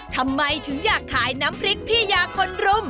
ทำไมถึงอยากขายน้ำพริกพี่ยาคนรุม